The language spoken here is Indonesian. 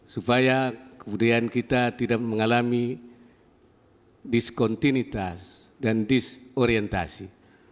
supaya kebudayaan kita tidak mengalami diskontinitas dan disorientasi